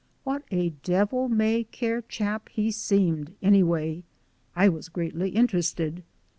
What a devil may care chap he seemed, anyway! I was greatly interested.